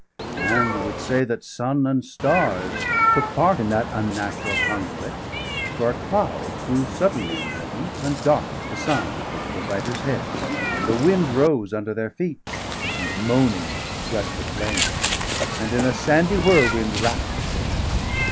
And you would say that sun and stars took part 480 In that unnatural° conflict; for a cloud° °481 Grew suddenly in Heaven, and dark'd the sun Over the fighters' heads; and a wind rose Under their feet, and moaning swept the plain, And in a sandy whirlwind wrapp'd the pair.